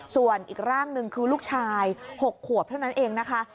ส่วนอีกร่างหนึ่งคือลูกชาย๖ขวบเท่านั้นเองนะคะ